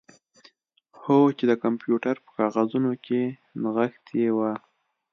هو چې د کمپیوټر په کاغذونو کې نغښتې وه